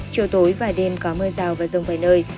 chiều tối và đêm có mưa rào và rông vài nơi